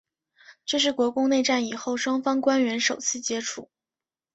这是国共内战以后双方官员首次接触。